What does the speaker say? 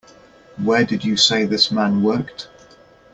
Where did you say this man worked?